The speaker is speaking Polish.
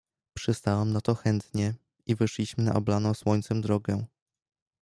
"Przystałem na to chętnie i wyszliśmy na oblaną słońcem drogę."